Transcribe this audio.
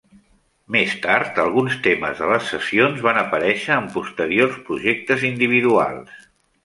Més tard, alguns temes de les sessions van aparèixer en posteriors projectes individuals.